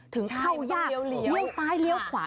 ถึงเข้ายากเลี้ยวซ้ายเลี้ยวขวา